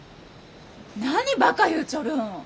何バカ言うちょるん。